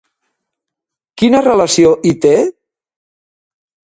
Quina relació hi té?